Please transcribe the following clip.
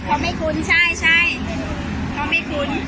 เขาไม่คุ้น